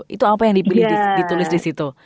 itu apa yang dipilih ditulis di situ